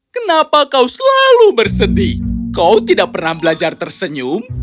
kenapa kau selalu bersedih kau tidak pernah belajar tersenyum